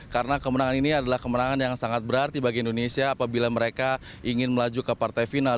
karena kemenangan ini adalah kemenangan yang sangat berarti bagi indonesia apabila mereka ingin melaju ke partai final